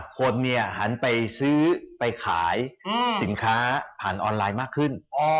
คนหันไปซื้อไปขายสินค้าผ่านออนไลน์มากขึ้น